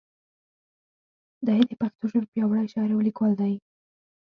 دی د پښتو ژبې پیاوړی شاعر او لیکوال دی.